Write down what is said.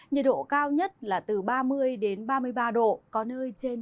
nhiệt độ cao nhất là từ ba mươi đến ba mươi ba độ có nơi trên ba mươi